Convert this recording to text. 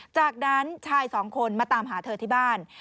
จากนั้นชายสองคนมาตามหาเธอที่บ้าน